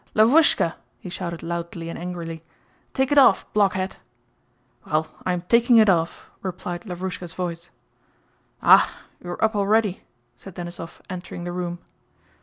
"Lavwúska!" he shouted loudly and angrily, "take it off, blockhead!" "Well, I am taking it off," replied Lavrúshka's voice. "Ah, you're up already," said Denísov, entering the room.